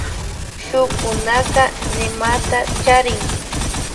Shukunaka nimata charin